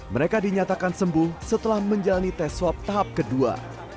mereka dinyatakan sembuh setelah menjalani tes swab tahap kedua